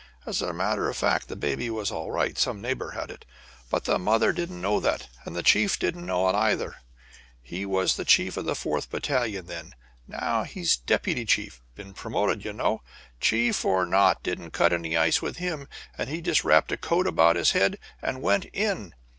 As a matter of fact, the baby was all right some neighbors had it but the mother didn't know that, and the chief didn't know it, either. He was chief of the 4th Battalion then; now he's deputy chief been promoted, y' know. Chief or not didn't cut any ice with him, and he just wrapped a coat around his head and went in.